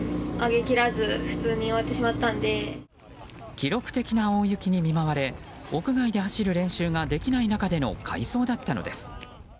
記録的な大雪に見舞われ屋外で走る練習ができない中での快走だったのです。